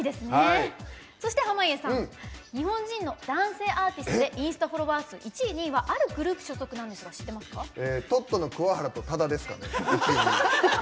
そして、濱家さん男性アーティストでインスタフォロワー数１位２位はあるグループ所属なんですが知ってますか？とっとの、くわはら。